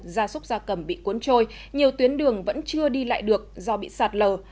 gia súc gia cầm bị cuốn trôi nhiều tuyến đường vẫn chưa đi lại được do bị sạt lở